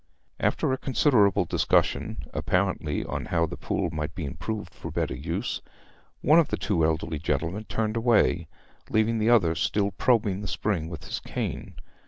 After a considerable discussion, apparently on how the pool might be improved for better use, one of the two elderly gentlemen turned away, leaving the other still probing the spring with his cane.